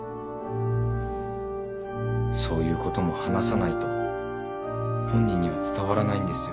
そういうことも話さないと本人には伝わらないんですよ。